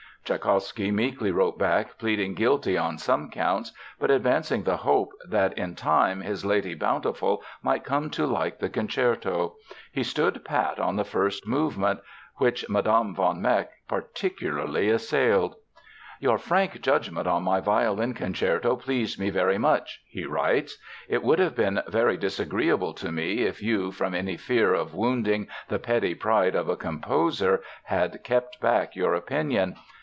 Tschaikowsky meekly wrote back pleading guilty on some counts but advancing the hope that in time his Lady Bountiful might come to like the concerto. He stood pat on the first movement, which Mme. von Meck particularly assailed. "Your frank judgment on my violin concerto pleased me very much," he writes. "It would have been very disagreeable to me if you, from any fear of wounding the petty pride of a composer, had kept back your opinion.